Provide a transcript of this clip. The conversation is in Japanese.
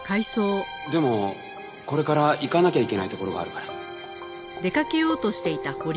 でもこれから行かなきゃいけない所があるから。